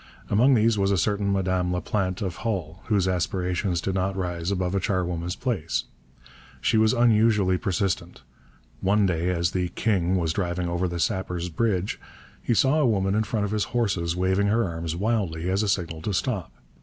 Among these was a certain Madame Laplante of Hull, whose aspirations did not rise above a charwoman's place. She was unusually persistent. One day, as the 'King' was driving over the Sappers Bridge, he saw a woman in front of his horses waving her arms wildly as a signal to stop.